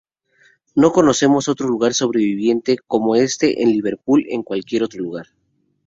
No conocemos otro lugar sobreviviente como este en Liverpool en en cualquier otro lugar.